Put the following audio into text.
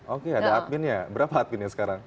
oke ada admin ya berapa adminnya sekarang